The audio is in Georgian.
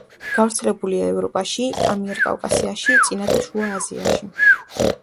გავრცელებულია ევროპაში, ამიერკავკასიაში, წინა და შუა აზიაში.